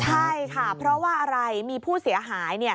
ใช่ค่ะเพราะว่าอะไรมีผู้เสียหาย